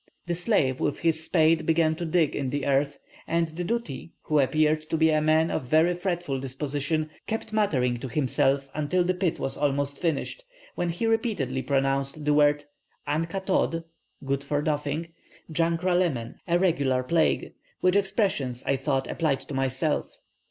The slave with his spade began to dig in the earth, and the Dooty, who appeared to be a man of very fretful disposition, kept muttering to himself until the pit was almost finished, when he repeatedly pronounced the word ankatod (good for nothing), jankra lemen (a regular plague), which expressions I thought applied to myself.